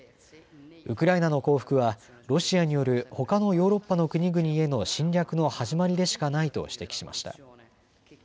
ウクライナの降伏はロシアによるほかのヨーロッパの国々への侵略の始まりでしかないと指摘しました。